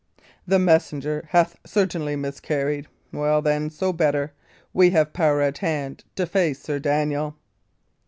The messenger hath certainly miscarried. Well, then, so better. We have power at hand to face Sir Daniel."